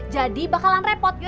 jadi bakalan repot yuk